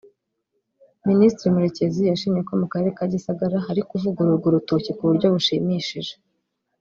Minisitiri Murekezi yashimye ko mu karere ka Gisagara hari kuvugururwa urutoki ku buryo bushimishije